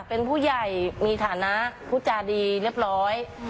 เป็นผู้ใหญ่มีฐานะผู้จาดีเรียบร้อย